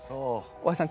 大橋さん。